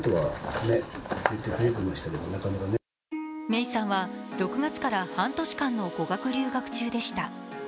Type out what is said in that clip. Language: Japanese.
芽生さんは６月から半年間の語学留学中でした。